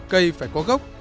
cây phải có gốc